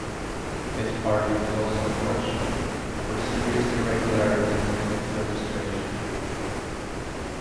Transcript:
His party was also questioned for serious irregularities in its registration.